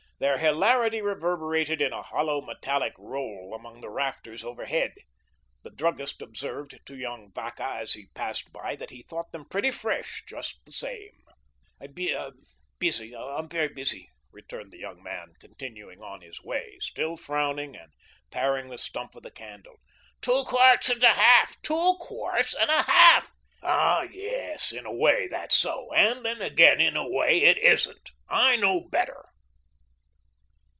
Their hilarity reverberated in a hollow, metallic roll among the rafters overhead. The druggist observed to young Vacca as he passed by that he thought them pretty fresh, just the same. "I'm busy, I'm very busy," returned the young man, continuing on his way, still frowning and paring the stump of candle. "Two quarts 'n' a half. Two quarts 'n' a half." "Ah, yes, in a way, that's so; and then, again, in a way, it ISN'T. I know better."